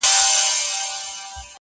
او ان شالله د کامې یخ شریخ